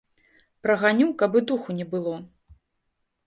Праганю, каб і духу не было.